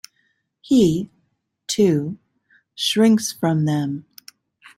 He, too, shrinks from them.